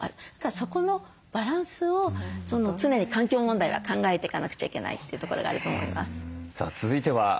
そこのバランスを常に環境問題は考えていかなくちゃいけないというところがあると思います。